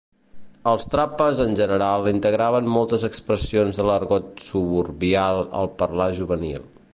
Els Trapas en general integraven moltes expressions de l'argot suburbial al parlar juvenil.